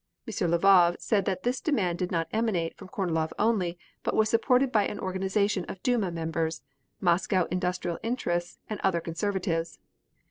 M. Lvov said that this demand did not emanate from Kornilov only but was supported by an organization of Duma members, Moscow industrial interests, and other conservatives.